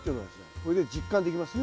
これで実感できますね。